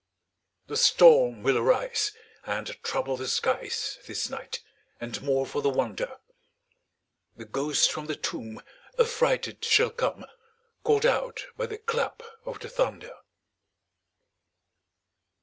The storm will arise, And trouble the skies This night; and, more for the wonder, The ghost from the tomb Affrighted shall come, Call'd out by the clap of the thunder.